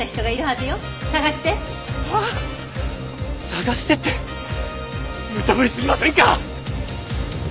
捜してってむちゃぶりすぎませんか！？